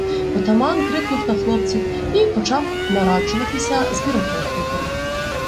Отаман крикнув на хлопців і почав нараджуватися з піротехніком.